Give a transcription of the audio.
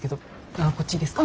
ああこっちいいですか？